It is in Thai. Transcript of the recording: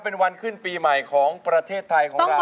เป็นวันขึ้นปีใหม่ของประเทศไทยของเรา